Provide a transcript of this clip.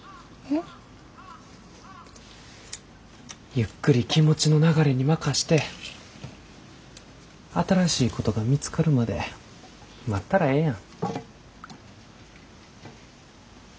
ゆっくり気持ちの流れに任して新しいことが見つかるまで待ったらええやん。